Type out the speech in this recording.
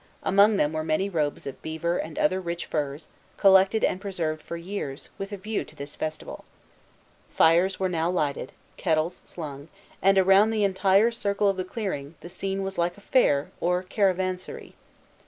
Among them were many robes of beaver and other rich furs, collected and preserved for years, with a view to this festival. Fires were now lighted, kettles slung, and, around the entire circle of the clearing, the scene was like a fair or caravansary.